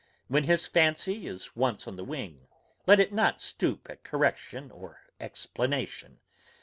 When his fancy is once on the wing, let it not stoop at correction or explanation.